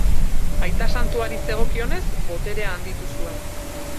Aita Santuari zegokionez, boterea handitu zuen.